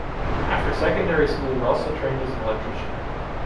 After secondary school Rossa trained as an electrician.